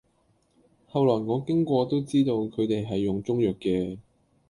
後來我經過都知道佢哋係用中藥嘅，